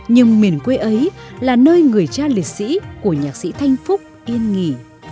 nhưng miền quê ấy là nơi người cha liệt sĩ của nhạc sĩ thanh phúc yên nghỉ